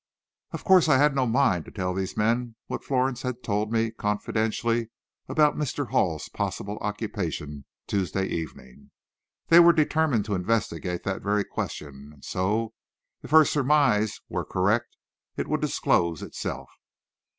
Of course I had no mind to tell these men what Florence had told me confidentially about Mr. Hall's possible occupation Tuesday evening. They were determined to investigate that very question, and so, if her surmise were correct, it would disclose itself.